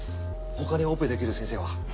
他にオペできる先生は？